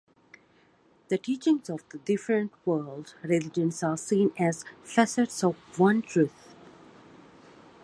The teachings of the different world religions are seen as 'facets of one truth'.